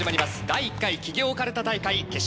「第１回企業かるた大会決勝」。